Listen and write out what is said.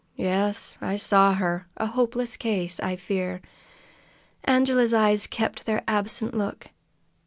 Yes, I saw her. A hopeless case, I fear." Angela's eyes kept their absent look.